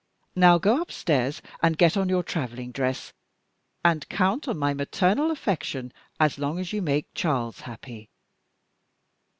Now go upstairs, and get on your traveling dress, and count on my maternal affection as long as you make Charles happy."